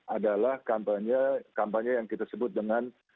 adalah kampanye yang kita sebut dengan